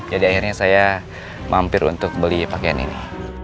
jadi akhirnya saya mampir untuk beli pakaian ini